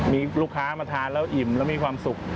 มีลูกค้ามาทานแล้วอิ่มแล้วมีความสุข